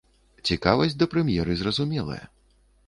Цікавасць да прэм'еры зразумелая.